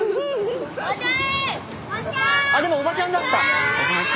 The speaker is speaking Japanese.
あでもおばちゃんだった。